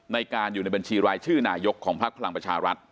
ในการอยู่ในบัญชีรายชื่อนายกของพักพลังประชารัฐ